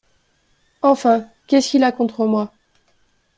Enfin, qu’est-ce qu’il a contre moi ?